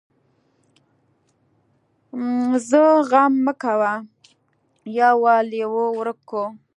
ځه غم مه کوه يو وار لېوه ورک کو.